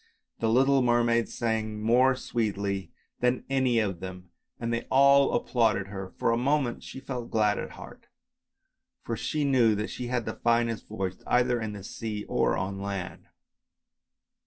The little mermaid sang more sweetly than any of them and they all applauded her. For a moment she felt glad at heart, for she knew that she had the finest voice either in the sea or on land.